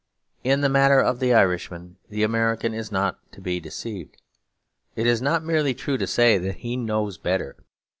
In the matter of the Irishman the American is not to be deceived. It is not merely true to say that he knows better.